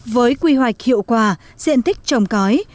với quy hoạch hiệu quả diện tích trồng cõi